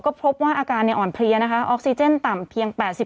ก็พบว่าอาการอ่อนเพลียนะคะออกซิเจนต่ำเพียง๘๐